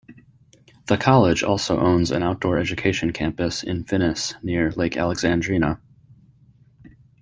The College also owns an outdoor education campus in Finniss, near Lake Alexandrina.